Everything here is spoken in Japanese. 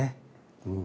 うん。